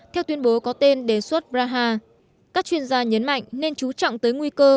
theo tuyên bố có tên đề xuất braha các chuyên gia nhấn mạnh nên chú trọng tới nguy cơ